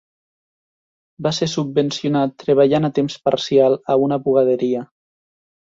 Va ser subvencionat treballant a temps parcial a una bugaderia.